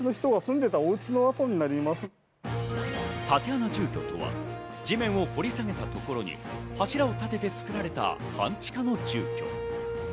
竪穴住居とは地面を掘り下げたところに柱を立てて作られた半地下の住居。